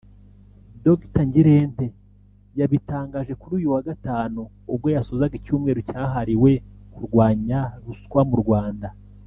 Dr Ngirente yabitangaje kuri uyu wa Gatanu ubwo yasozaga icyumweru cyahariwe kurwanya ruswa mu Rwanda